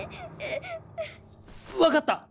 分かった！